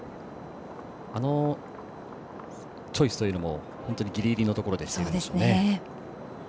あのチョイスというのも、本当にギリギリのところでしょうね。